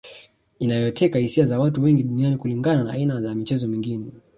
inayoteka hisia za watu wengi duniani kulinganisha na aina za michezo mingine